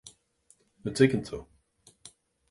an dtuigeann tú